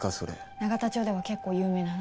永田町ではけっこう有名な話。